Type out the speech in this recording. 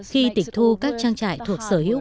khi tịch thu các trang trại thuộc sở hữu